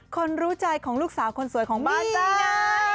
คนรู้ใจของลูกสาวคนสวยของบ้านได้ไง